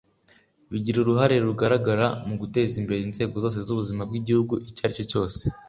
bigira uruhare rugaragara mu guteza imbere inzego zose z’ubuzima bw’Igihugu icyo ari cyose”